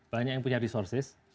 banyak yang punya resources gitu ya